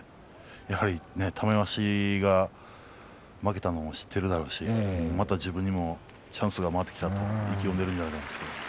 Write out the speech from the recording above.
やはり玉鷲が負けたのも知っているだろうしまた自分にもチャンスが回ってきたと意気込んでいるんじゃないですかね。